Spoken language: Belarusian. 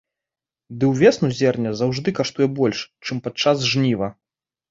Ды і ўвесну зерне заўжды каштуе больш, чым падчас жніва.